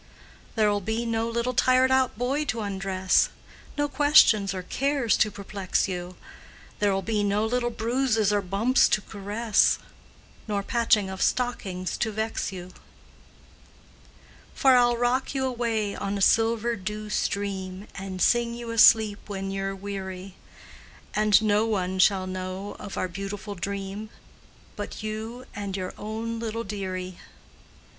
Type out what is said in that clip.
There'll be no little tired out boy to undress, No questions or cares to perplex you, There'll be no little bruises or bumps to caress, Nor patching of stockings to vex you; For I'll rock you away on a silver dew stream And sing you asleep when you're weary, And no one shall know of our beautiful dream But you and your own little dearie.